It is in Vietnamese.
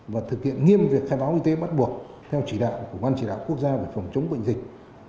và thực hiện nghiêm việc khai báo y tế bắt buộc theo chỉ đạo của ban chỉ đạo quốc gia về phòng chống bệnh dịch